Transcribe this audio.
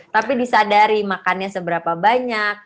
tapi disadari makannya seberapa banyak